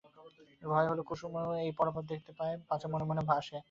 ভয় হল পাছে কুমু ওর পরাভব দেখতে পায়, পাছে মনে মনে হাসে।